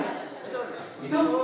tapi dengan catatan